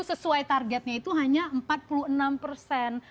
sesuai targetnya itu hanya empat puluh enam persen